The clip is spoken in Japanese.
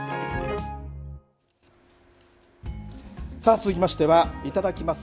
続きましてはいただきます！